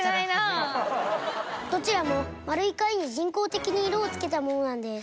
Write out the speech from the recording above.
どちらも丸い貝に人工的に色をつけたものなんです。